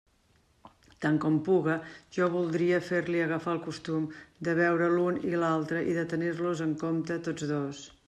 Tant com puga, jo voldria fer-li agafar el costum de veure l'un i l'altre i de tenir-los en compte tots dos.